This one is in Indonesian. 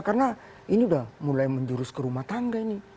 karena ini udah mulai menjurus ke rumah tangga ini